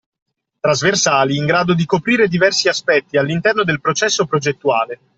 Trasversali in grado di coprire diversi aspetti all’interno del processo progettuale